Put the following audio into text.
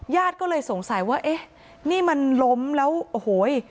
ญาติก็เลยสงสัยว่าเอ๊ะนี่มันล้มแล้วโอ้โห